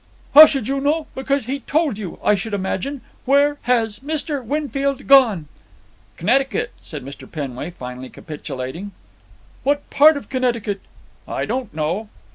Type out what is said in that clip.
"How should you know? Because he told you, I should imagine. Where—has—Mr.—Winfield—gone?" "C'nnecticut," said Mr. Penway, finally capitulating. "What part of Connecticut?" "I don't know."